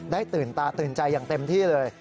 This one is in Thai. ตื่นตาตื่นใจอย่างเต็มที่เลย